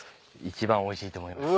一番おいしいと思います。